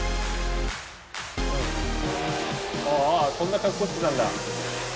ああそんな格好してたんだ。